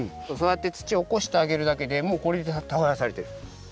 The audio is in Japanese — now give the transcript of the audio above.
そうやって土をおこしてあげるだけでもうこれでたがやされてる。